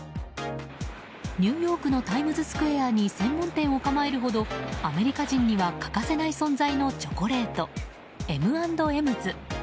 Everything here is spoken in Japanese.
ニューヨークのタイムズスクエアに専門店を構えるほどアメリカ人には欠かせない存在のチョコレート、Ｍ＆Ｍ’ｓ。